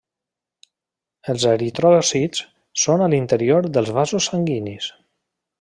Els eritròcits són a l'interior dels vasos sanguinis.